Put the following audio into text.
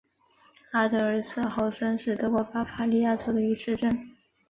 阿德尔茨豪森是德国巴伐利亚州的一个市镇。